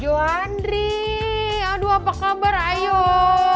juandri aduh apa kabar ayo ayo pavutu bantuan banget nih burantah kalau paripak dan aku